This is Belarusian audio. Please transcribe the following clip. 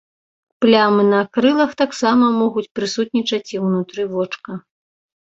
Плямы на крылах таксама могуць прысутнічаць і ўнутры вочка.